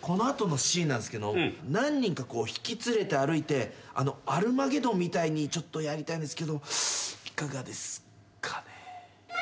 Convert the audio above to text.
この後のシーンなんすけど何人か引き連れて歩いて『アルマゲドン』みたいにちょっとやりたいんですけどいかがですかね？